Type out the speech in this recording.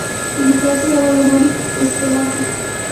دموکراسي یوه یوناني اصطلاح ده.